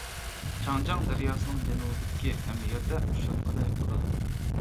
چاڭجياڭ دەرياسىنىڭ جەنۇبىدىكى ھەممە يەردە ئۇچراتقىلى بولىدۇ.